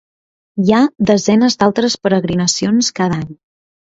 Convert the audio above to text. Hi ha desenes d'altres peregrinacions cada any.